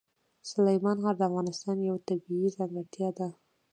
سلیمان غر د افغانستان یوه طبیعي ځانګړتیا ده.